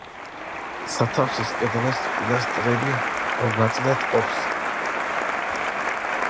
სათავსის კედლებს პილასტრები ორ ნაწილად ჰყოფს.